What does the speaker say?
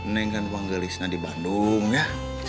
neng kan panggil istina di bandung ya